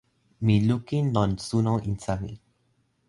mi lukin lon suno insa mi.